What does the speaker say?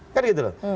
kan begitu loh